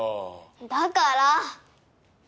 だから！